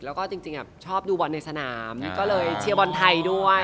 แล้วก็จริงชอบดูบอลในสนามก็เลยเชียร์บอลไทยด้วย